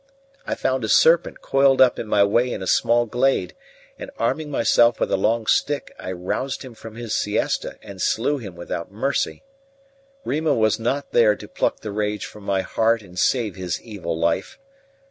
I found a serpent coiled up in my way in a small glade, and arming myself with a long stick, I roused him from his siesta and slew him without mercy. Rima was not there to pluck the rage from my heart and save his evil life.